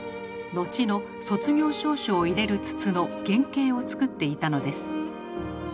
後の卒業証書を入れる筒の原型を作っていたのです。